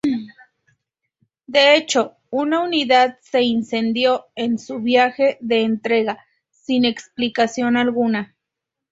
De hecho, una unidad se incendió en su viaje de entrega, sin explicación alguna.